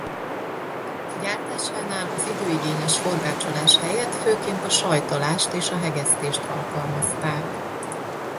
Gyártásánál az időigényes forgácsolás helyett főként a sajtolást és a hegesztést alkalmazták.